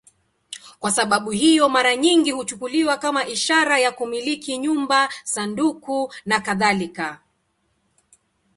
Kwa sababu hiyo, mara nyingi huchukuliwa kama ishara ya kumiliki nyumba, sanduku nakadhalika.